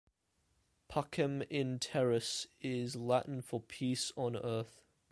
"Pacem in terris" is Latin for "Peace on Earth.